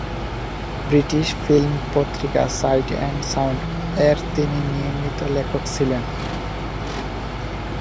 British film পত্রিকা "Sight and সাউন্ড"-এর তিনি নিয়মিত লেখক ছিলেন।